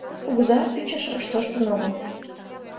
Кугыза ӱчашаш тоштын огыл